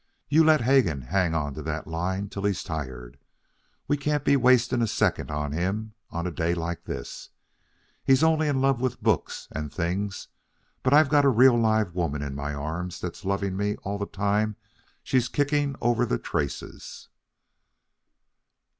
"You let Hegan hang on to that line till he's tired. We can't be wasting a second on him on a day like this. He's only in love with books and things, but I've got a real live woman in my arms that's loving me all the time she's kicking over the traces."